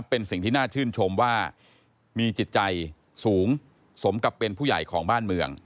เป็นสิ่งที่น่าชื่นชมว่ามีจิตใจสูงสมกับเป็นผู้ใหญ่ของบ้านเมือง